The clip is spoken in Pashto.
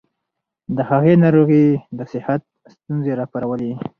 د هغې ناروغي د صحت ستونزې راوپارولې.